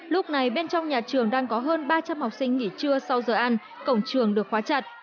lúc này bên trong nhà trường đang có hơn ba trăm linh học sinh nghỉ trưa sau giờ ăn cổng trường được khóa chặt